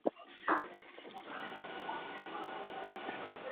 আমি আর এখন এ-সবের জন্য ব্যস্ত নই।